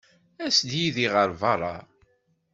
As-d yid-i ɣer beṛṛa.